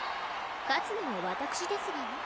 勝つのは私ですわよ